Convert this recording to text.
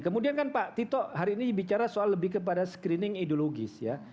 kemudian kan pak tito hari ini bicara soal lebih kepada screening ideologis ya